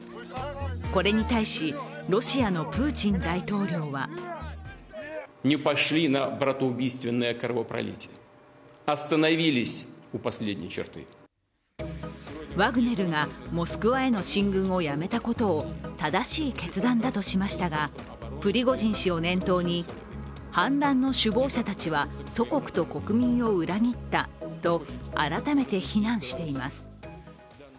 これに対しロシアのプーチン大統領はワグネルがモスクワへの進軍を止めたことを正しい決断だとしましたがプリゴジン氏を念頭に反乱の首謀者たちは祖国と国民を裏切ったと改めて非難しています。